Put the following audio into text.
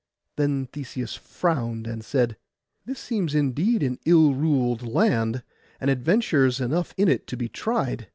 Then Theseus frowned, and said, 'This seems indeed an ill ruled land, and adventures enough in it to be tried.